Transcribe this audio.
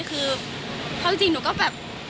คือพอจริงหนูก็แบบ